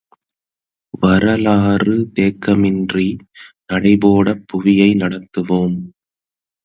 வரலாறு தேக்கமின்றி நடைபோடப் புவியை நடத்துவோம்!